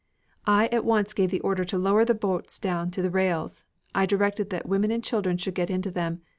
"I at once gave the order to lower the boats down to the rails, and I directed that women and children should get into them.